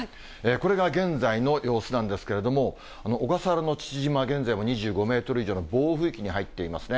これが現在の様子なんですけれども、小笠原の父島、現在も２５メートル以上の暴風域に入っていますね。